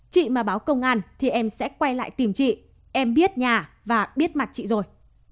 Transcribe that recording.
chị mà báo công an thì em sẽ quay lại tìm chị em biết nhà và biết mặt chị rồi